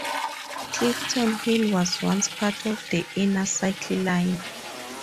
Clifton Hill was once part of the Inner Circle line.